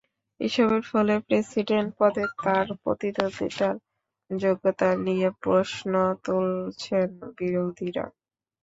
এসবের ফলে প্রেসিডেন্ট পদে তাঁর প্রতিদ্বন্দ্বিতার যোগ্যতা নিয়ে প্রশ্ন তুলছেন বিরোধীরা।